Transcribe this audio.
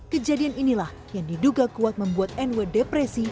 kejadian inilah yang diduga kuat membuat nw depresi